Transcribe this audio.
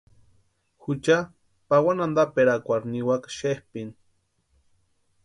Jucha pawani antaperakwarhu niwaka xepʼini.